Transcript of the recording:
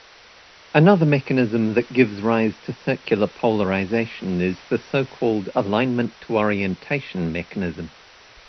Another mechanism that gives rise to circular polarization is the so-called alignment-to-orientation mechanism.